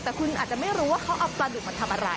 แต่คุณอาจจะไม่รู้ว่าเขาเอาปลาดุกมาทำอะไร